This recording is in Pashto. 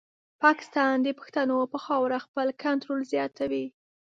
پاکستان د پښتنو پر خاوره خپل کنټرول زیاتوي.